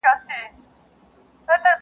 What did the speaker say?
وس پردی وو د خانانو ملکانو؛